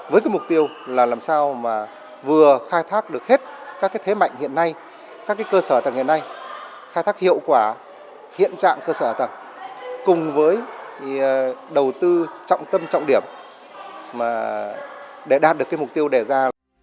với cái mục tiêu là làm sao mà vừa khai thác được hết các cái thế mạnh hiện nay các cái cơ sở hạ tầng hiện nay khai thác hiệu quả hiện trạng cơ sở hạ tầng cùng với đầu tư trọng tâm trọng điểm để đạt được cái mục tiêu đề ra